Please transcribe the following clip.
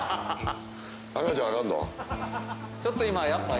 ちょっと今やっぱ。